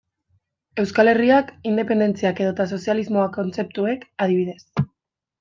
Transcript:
Euskal Herriak, independentziak edota sozialismoak kontzeptuek, adibidez.